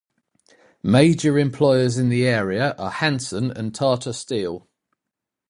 Major employers in the area are Hanson and Tata Steel.